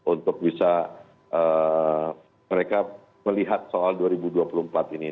untuk bisa mereka melihat soal dua ribu dua puluh empat ini